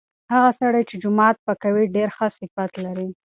هغه سړی چې جومات پاکوي ډیر ښه صفت لري.